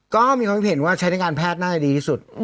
ก็มีความเห็นว่าใช้ในการแพทย์น่าจะดีที่สุด